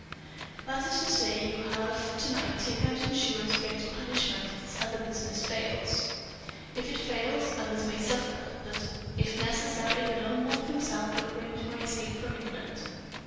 "That is to say, you have to night taken out insurance against punishment if this other business fails." "If it fail, others may suffer, but if necessary the Lone Wolf himself will arrange my escape from England."